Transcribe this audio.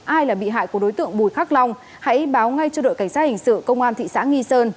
ai là bị hại của đối tượng bùi khắc long hãy báo ngay cho đội cảnh sát hình sự công an thị xã nghi sơn